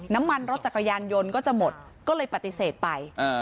น้ำมันรถจักรยานยนต์ก็จะหมดก็เลยปฏิเสธไป